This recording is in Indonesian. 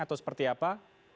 atau seperti apa